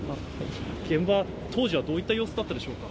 現場、どういった様子だったでしょうか。